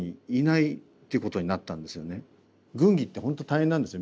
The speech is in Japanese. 軍議って本当大変なんですよ